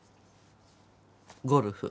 ゴルフ。